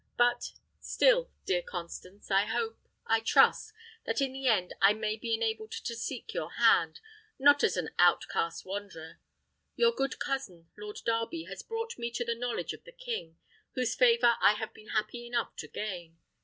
But still, dear Constance, I hope, I trust, that in the end I may be enabled to seek your hand, not as an outcast wanderer. Your good cousin, Lord Darby, has brought me to the knowledge of the king, whose favour I have been happy enough to gain.